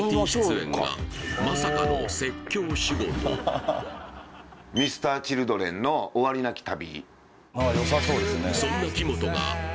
あの出演がＭｒ．Ｃｈｉｌｄｒｅｎの「終わりなき旅」